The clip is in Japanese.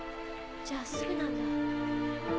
じゃあすぐなんだ。